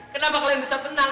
kenapa kalian bisa tenang